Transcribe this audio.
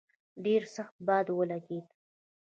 ډېر سخت باد ولګېد.